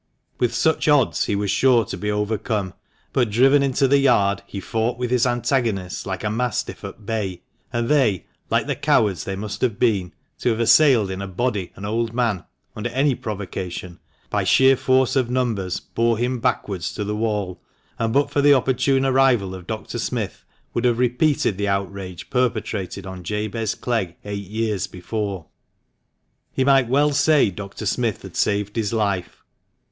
With such odds he was sure to be overcome ; but, driven into the yard, he fought with his antagonists like a mastiff at bay, and they, like the cowards they must have been, to have assailed in a body an old man (under any provocation), by sheer force of numbers, bore him backwards to the wall, and, but for the opportune arrival of Dr. Smith, would have repeated the outrage perpetrated on Jabez Clegg eight years before. He might well say Dr. Smith had saved his life.